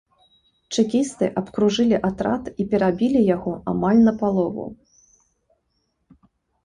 Чэкісты абкружылі атрад і перабілі яго амаль напалову.